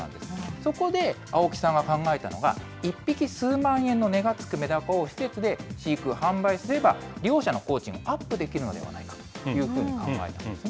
そこで青木さんが考えたのが、１匹数万円の値がつくメダカを施設で飼育・販売すれば利用者の工賃をアップできるのではないかというふうに考えたんですね。